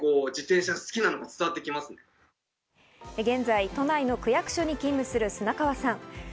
現在、都内の区役所に勤務する砂川さん。